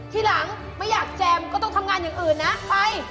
ทีหลังไม่อยากแจมก็ต้องทำงานอย่างอื่นนะไป